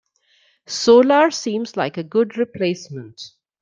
Solar seems like a good replacement.